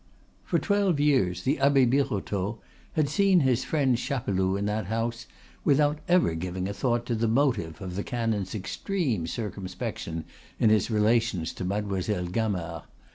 For twelve years the Abbe Birotteau had seen his friend Chapeloud in that house without ever giving a thought to the motive of the canon's extreme circumspection in his relations to Mademoiselle Gamard.